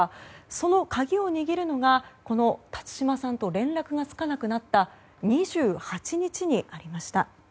その鍵を握るのが、辰島さんと連絡がつかなくなった２８日にありました。